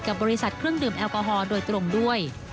บริษัทเครื่องดื่มแอลกอฮอลโดยตรงด้วย